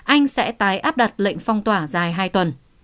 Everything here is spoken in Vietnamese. anh sẽ tái áp đặt lệnh phong tỏa dài hai tuần